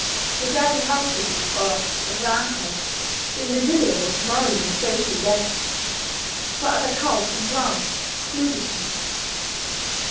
Without a household or a clan cult, the individual was morally and socially dead; for other cults and clans excluded him.